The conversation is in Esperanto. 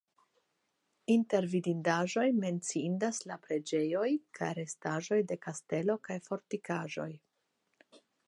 Inter vidindaĵoj menciindas la preĝejoj kaj restaĵoj de kasteloj kaj fortikaĵoj.